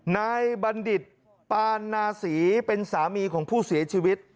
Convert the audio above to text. บัณฑิตปานนาศรีเป็นสามีของผู้เสียชีวิต